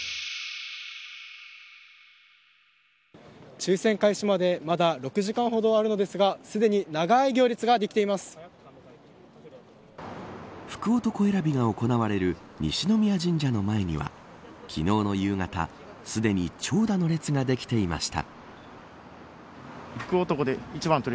抽選開始までまだ６時間ほどあるのですが福男選びが行われる西宮神社の前には昨日の夕方、すでに長蛇の列ができていました。